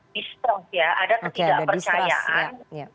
distors ya ada ketidakpercayaan